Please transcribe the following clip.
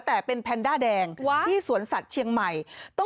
แต่เป็นแพนด้าแดงที่สวนสัตว์เชียงใหม่